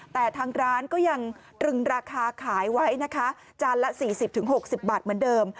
แต่ทางร้านก็ยังตรึงราคาขายไว้นะคะจานละ๔๐๖๐บาทเหมือนเดิม